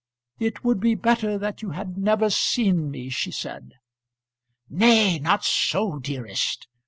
"It would be better that you had never seen me," she said. "Nay, not so, dearest.